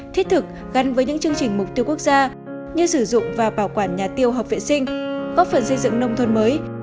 thiết thực gắn với những chương trình mục tiêu quốc gia như sử dụng và bảo quản nhà tiêu hợp vệ sinh góp phần xây dựng nông thôn mới